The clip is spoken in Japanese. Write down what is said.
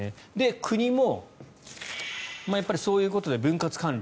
国もそういうことで分割管理